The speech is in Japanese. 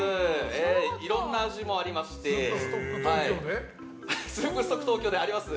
いろんな味もありましてスープストックトーキョーであります。